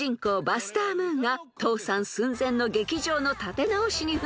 バスター・ムーンが倒産寸前の劇場の立て直しに奮闘する物語］